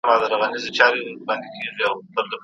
اقتصادي وده په کميت پوري تړلې ده.